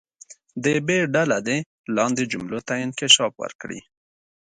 د ب ډله دې لاندې جملې ته انکشاف ورکړي.